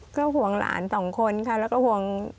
ก็ห่วงหลานสองคนค่ะแล้วก็ห่วง